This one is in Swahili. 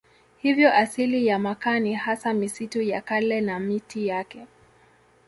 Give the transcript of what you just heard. Hivyo asili ya makaa ni hasa misitu ya kale na miti yake.